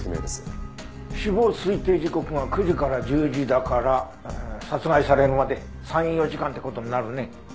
死亡推定時刻が９時から１０時だから殺害されるまで３４時間って事になるね。